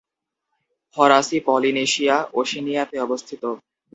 ফরাসি পলিনেশিয়া ওশেনিয়াতে অবস্থিত।